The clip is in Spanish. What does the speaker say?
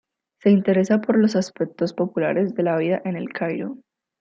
Se interesa por los aspectos populares de la vida en El Cairo.